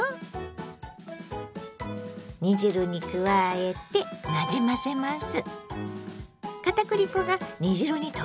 煮汁に加えてなじませます。